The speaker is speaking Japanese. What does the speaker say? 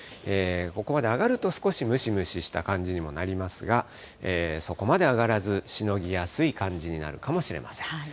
ここまで上がると、少しムシムシした感じにもなりますが、そこまで上がらず、しのぎやすい感じになるかもしれません。